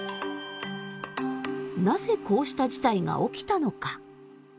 なぜこうした事態が起きたのか。